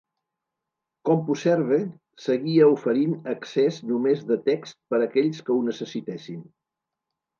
CompuServe seguia oferint accés només de text per aquells que ho necessitessin.